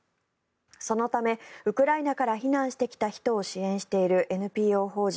そのため、ウクライナから避難してきた人を支援しているＮＰＯ法人